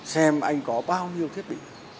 xem anh có bao nhiêu thiết bị